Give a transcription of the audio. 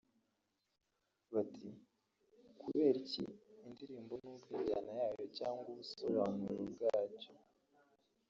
bati kubera iki indirimbo nubwo injyana yayo cyangwa ubusonuro bwayo